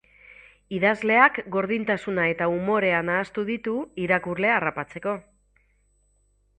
Idazleak gordintasuna eta umorea nahastu ditu irakurlea harrapatzeko.